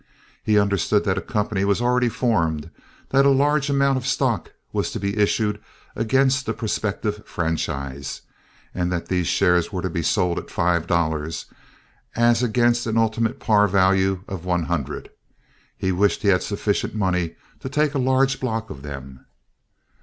He understood that a company was already formed, that a large amount of stock was to be issued against the prospective franchise, and that these shares were to be sold at five dollars, as against an ultimate par value of one hundred. He wished he had sufficient money to take a large block of them.